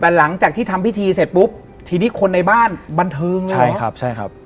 แต่หลังจากที่ทำพิธีเสร็จปุ๊บทีนี้คนในบ้านบันเทิงเลยใช่ครับใช่ครับ